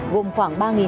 gồm khoảng ba